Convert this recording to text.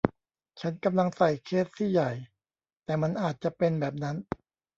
ฉันกำลังใส่เคสที่ใหญ่ แต่มันอาจจะเป็นแบบนั้น